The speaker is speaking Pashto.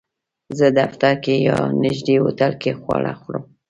زه دفتر کې یا نږدې هوټل کې خواړه خورم